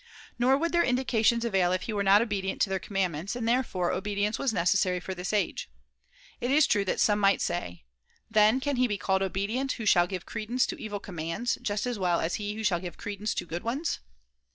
Nor would their indications avail if he were not obedient to their command ments, and therefore obedience was [^130] necessary for this age. It is true that some might say :* Then, can he be called obedient who shall give credence to evil commands, just as well as he who shall give credence to good ones